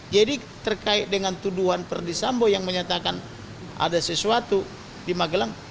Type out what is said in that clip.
jadi terkait dengan tuduhan perdi sambo yang menyatakan ada sesuatu di magelang